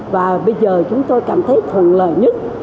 và bây giờ chúng tôi cảm thấy thuận lợi nhất